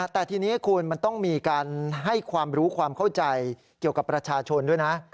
แต่ทีนี้คุณมันต้องมีการให้ความรู้ความเข้าใจเกี่ยวกับประชาชนด้วยนะ